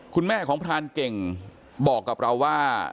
คุณแม่ของพรานเก่งบอกกับเราว่า